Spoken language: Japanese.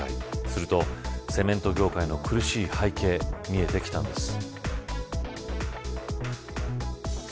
すると、セメント業界の苦しい背景、見えてきたんです。